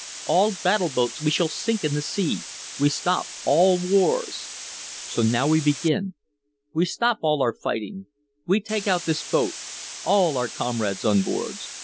All battle boats we shall sink in the sea we stop all wars! So now we begin we stop all our fighting we take out this boat all our comrades on board!